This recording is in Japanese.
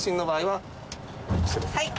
はい。